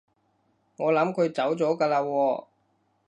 我諗佢走咗㗎喇喎